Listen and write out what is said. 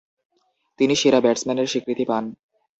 তিনি সেরা ব্যাটসম্যানের স্বীকৃতি পান।